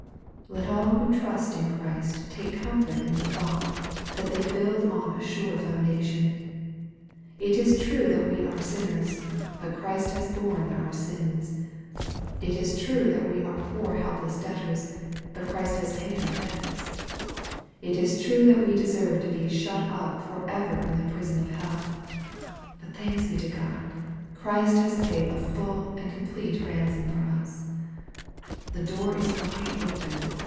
Let all who trust in Christ take comfort in the thought that they build on a sure foundation. It is true that we are sinners, but Christ has borne our sins. It is true that we are poor helpless debtors, but Christ has paid our debts. It is true that we deserve to be shut up for ever in the prison of hell. But thanks be to God, Christ hath paid a full and complete ransom for us. The door is wide open.